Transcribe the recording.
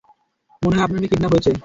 মনে হয় আপনার মেয়ে কিডন্যাপ হয়েছে।